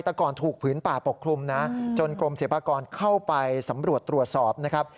แต่ก่อนถูกผืนป่าปกคลุมนะจนกรมศิลปากรเข้าไปสำรวจตรวจสอบนะครับ